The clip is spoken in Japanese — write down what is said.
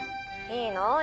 いいの？